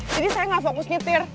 jadi saya gak fokus nyetir